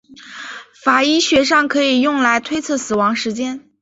法医学上可以用来推测死亡时间。